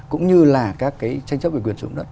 cũng như là các cái tranh chấp về quyền sống đất